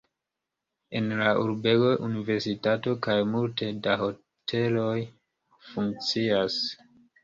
En la urbego universitato kaj multe da hoteloj funkcias.